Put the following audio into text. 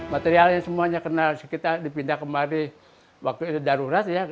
materialnya semuanya kena sekitar dipindah kembali waktu itu darurat ya